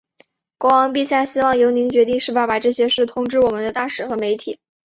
国王陛下希望由您决定是否把这些事通知我们的大使和媒体。